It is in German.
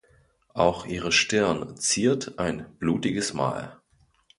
Auch ihre Stirn ziert ein blutiges Mal.